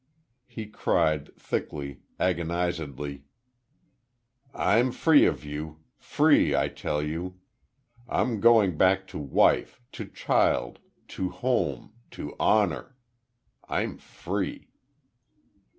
He cried, thickly, agonizedly: "I'm free of you! Free, I tell you! I'm going back to wife to child to home to honor! I'm free!"